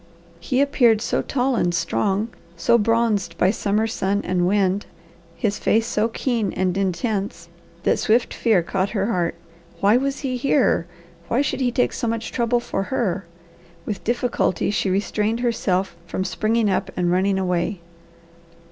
He appeared so tall and strong, so bronzed by summer sun and wind, his face so keen and intense, that swift fear caught her heart. Why was he there? Why should he take so much trouble for her? With difficulty she restrained herself from springing up and running away.